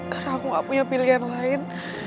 karena aku gak punya pilihan lain